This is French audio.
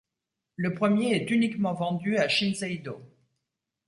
Le premier est uniquement vendu à Shinseido.